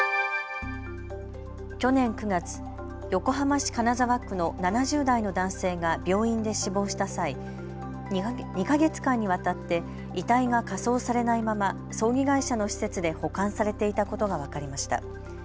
去年９月、横浜市金沢区の７０代の男性が病院で死亡した際、２か月間にわたって遺体が火葬されないまま葬儀会社の施設で保管されていたことが分かりました。